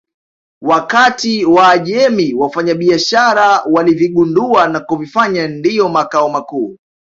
Wakati Waajemi wafanyabiashara walivigundua na kuvifanya ndiyo makao makuu